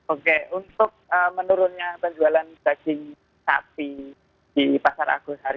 oke untuk menurunnya penjualan daging sapi di pasar agus harimu